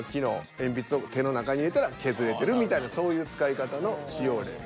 鉛筆を手の中に入れたら削れてるみたいなそういう使い方の使用例を。